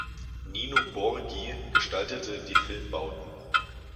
Nino Borghi gestaltete die Filmbauten.